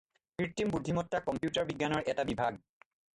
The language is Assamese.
কৃত্ৰিম বুদ্ধিমত্তা কম্পিউটাৰ বিজ্ঞানৰ এটি বিভাগ।